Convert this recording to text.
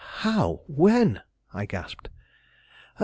"How? when?" I gasped.